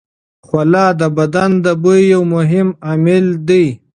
خوله د بدن د بوی یو مهم عامل دی.